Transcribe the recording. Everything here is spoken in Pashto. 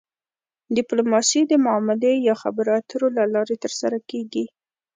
ډیپلوماسي د معاملې یا خبرو اترو له لارې ترسره کیږي